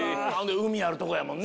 海あるとこやもんね。